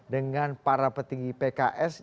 dengan para petinggi pks